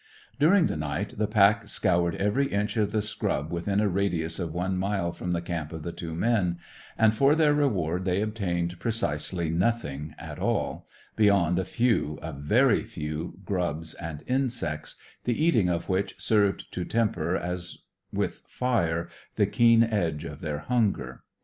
During the night the pack scoured every inch of the scrub within a radius of one mile from the camp of the two men; and for their reward they obtained precisely nothing at all, beyond a few, a very few, grubs and insects, the eating of which served to temper as with fire the keen edge of their hunger.